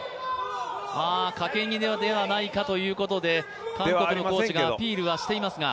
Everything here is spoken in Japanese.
かけ逃げではないかということで韓国のコーチがアピールしています。